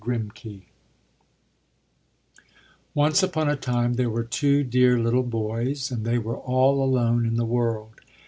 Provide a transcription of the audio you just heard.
GRIMKE Once upon a time there were two dear little boys, and they were all alone in the world.